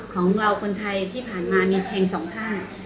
ของเราคนไทยที่ผ่านมามีเพลงสองข้าง